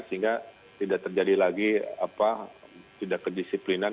sehingga tidak terjadi lagi tidak kedisiplinan